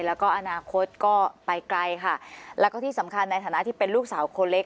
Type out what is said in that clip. แล้วก็อนาคตก็ไปไกลค่ะแล้วก็ที่สำคัญในฐานะที่เป็นลูกสาวคนเล็ก